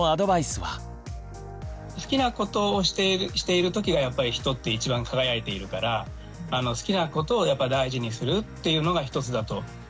好きなことをしているときがやっぱり人って一番輝いているから好きなことを大事にするっていうのが一つだとやっぱ思いますね。